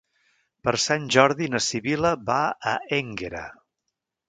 Per Sant Jordi na Sibil·la va a Énguera.